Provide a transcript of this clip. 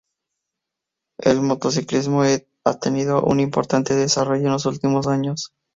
El motociclismo ha tenido un importante desarrollo en los últimos años.